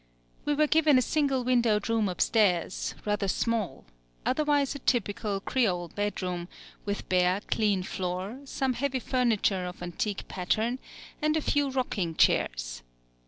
We were given a single windowed room upstairs, rather small, otherwise a typical, Creole bedroom, with bare clean floor, some heavy furniture of antique pattern, and a few rocking chairs.